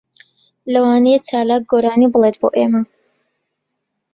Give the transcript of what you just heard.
لەوانەیە چالاک گۆرانی بڵێت بۆ ئێمە.